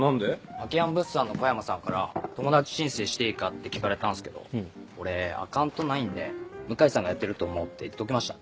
秋山物産の小山さんから「友達申請していいか？」って聞かれたんすけど俺アカウントないんで「向井さんがやってると思う」って言っときました。